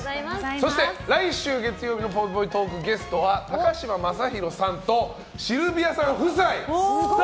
そして来週月曜日のぽいぽいトークのゲストは高嶋政宏さんとシルビアさん夫妻。